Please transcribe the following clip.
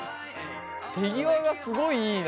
手際がすごいいいな。